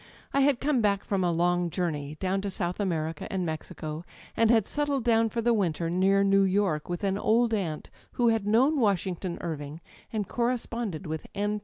I had come back from a long journey â€" down in South America and Mexico â€" and had settled down for the winter near New York, with an old aunt who had known Washing ton Irving and corresponded with N.